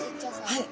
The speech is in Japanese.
はい。